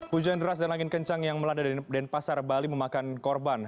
hujan deras dan angin kencang yang melanda di denpasar bali memakan korban